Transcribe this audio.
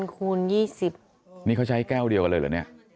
คูณ๒๐นี่เขาใช้แก้วเดียวกันเลยเหรอเนี่ย